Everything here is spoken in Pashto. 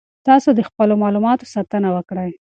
تاسو د خپلو معلوماتو ساتنه وکړئ.